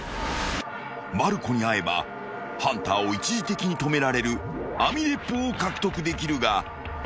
［まる子に会えばハンターを一時的に止められる網鉄砲を獲得できるが］